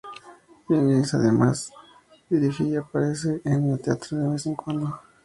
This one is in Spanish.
Higgins además dirige y aparece en el teatro de vez en cuando.